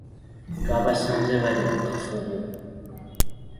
Twabasanze bali mu kafubo.